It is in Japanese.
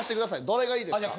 どれがいいですか？